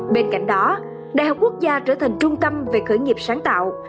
bên cạnh đó đại học quốc gia trở thành trung tâm về khởi nghiệp sáng tạo